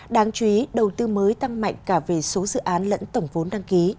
đáng chú ý đầu tư mới tăng mạnh cả về số dự án lẫn tổng vốn đăng ký